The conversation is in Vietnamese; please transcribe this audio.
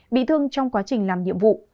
bị thương trong quá trình làm nhiệm vụ